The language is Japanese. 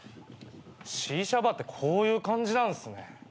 シーシャバーってこういう感じなんすね。